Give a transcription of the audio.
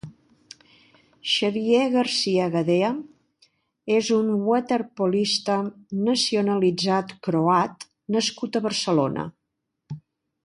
Xavier García Gadea és un waterpolista, nacionalitzat croat nascut a Barcelona.